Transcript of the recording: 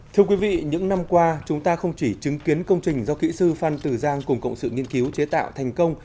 thưa quý vị những năm qua chúng ta không chỉ chứng kiến công trình do kỹ sư phan tử giang cùng cộng sự nghiên cứu chế tạo thành công